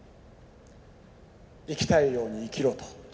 生きたいように生きろと。